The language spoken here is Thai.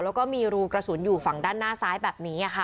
แล้วก็มีรูกระสุนอยู่ฝั่งด้านหน้าซ้ายแบบนี้ค่ะ